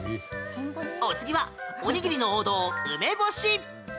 お次はおにぎりの王道、梅干し！